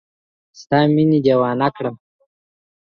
ستا مینې دیوانه کړم